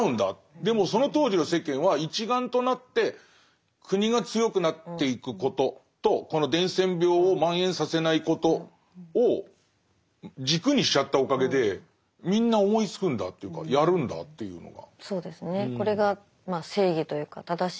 でもその当時の世間は一丸となって国が強くなっていくこととこの伝染病を蔓延させないことを軸にしちゃったおかげでみんな思いつくんだっていうかやるんだっていうのが。